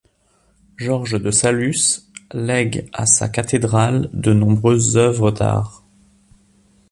Georges de Saluces lègue à sa cathédrale de nombreuses œuvres d'art.